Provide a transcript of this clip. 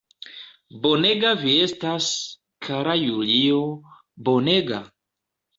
Bonega vi estas, kara Julio, bonega!